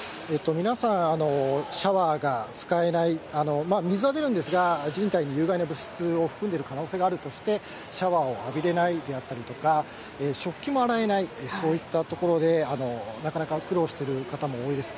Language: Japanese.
皆さん、シャワーが使えない、水は出るんですが、人体に有害な物質を含んでいる可能性があるとして、シャワーを浴びれないであったりですとか、食器も洗えない、そういったところでなかなか苦労している方も多いです。